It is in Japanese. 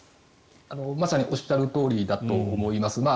まさにおっしゃるとおりだと思います。